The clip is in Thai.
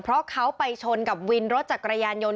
เพราะเขาไปชนกับวินรถจักรยานยนต